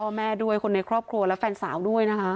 แม่ด้วยคนในครอบครัวและแฟนสาวด้วยนะคะ